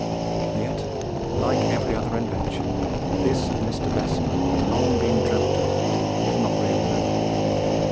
Yet, like every other invention, this of Mr. Bessemer had long been dreamt of, if not really made.